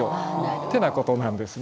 ってなことなんですね。